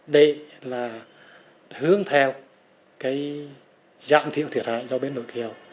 đây là hướng theo cái giảm thiệu thiệt hại do biến đổi khí hậu